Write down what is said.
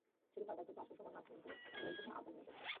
সেদিন বাজার থেকে আসার সময় নাট মিন্টু মেয়ের জন্য আচার নিয়ে এসেছিল।